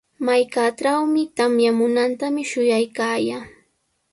Markaatrawmi tamyamuntami shuyaykaayaa.